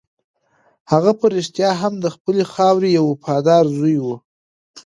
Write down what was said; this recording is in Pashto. هغه په رښتیا هم د خپلې خاورې یو وفادار زوی و.